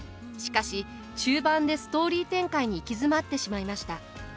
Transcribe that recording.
しかし中盤でストーリー展開に行き詰まってしまいました。